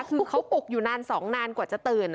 คือเขาอกอยู่นาน๒นานกว่าจะตื่น